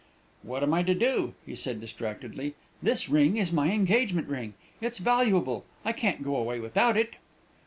"What am I to do?" he said distractedly. "This ring is my engagement ring; it's valuable. I can't go away without it!"